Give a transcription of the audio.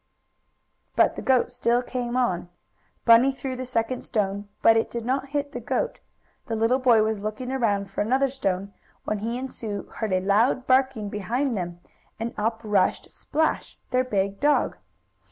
But the goat still came on. Bunny threw the second stone, but it did not hit the goat. The little boy was looking around for another stone, when he and Sue heard a loud barking behind them, and up rushed Splash, their big dog.